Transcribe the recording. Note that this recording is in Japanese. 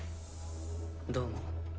どうも。